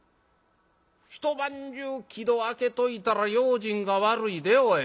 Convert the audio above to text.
『一晩中木戸開けといたら用心が悪いでおい。